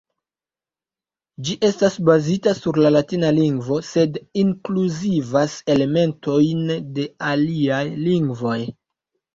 Ĝi estas bazita sur la latina lingvo, sed inkluzivas elementojn de aliaj lingvoj.